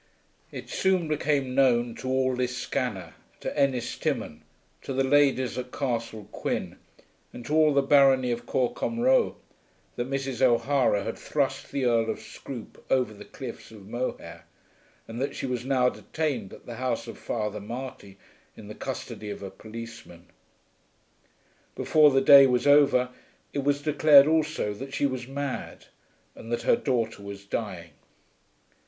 It soon became known to all Liscannor, to Ennistimon, to the ladies at Castle Quin, and to all the barony of Corcomroe that Mrs. O'Hara had thrust the Earl of Scroope over the cliffs of Moher, and that she was now detained at the house of Father Marty in the custody of a policeman. Before the day was over it was declared also that she was mad, and that her daughter was dying.